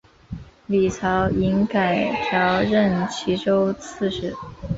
李朝隐改调任岐州刺史。